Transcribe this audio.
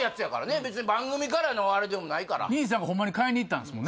別に番組からのあれでもないから兄さんがホンマに買いに行ったんですもんね